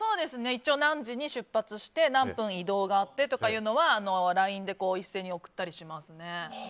一応、何時に出発して何分移動があってとかはＬＩＮＥで一斉に送ったりしますね。